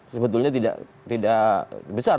sebetulnya tidak besar